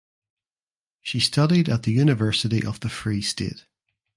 She studied at the University of the Free State.